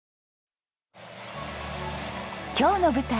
今日の舞台